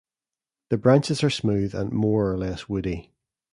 The branches are smooth and more or less woody.